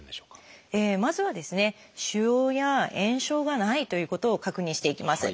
まずは腫瘍や炎症がないということを確認していきます。